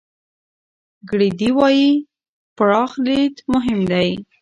ګرېډي وايي، پراخ لید مهم دی.